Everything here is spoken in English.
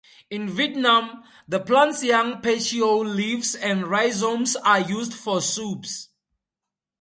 In Vietnam, the plant's young petiole leaves and rhizomes are used for soups.